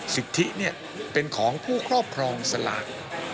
สิทธิเป็นของผู้ครอบครองสลาก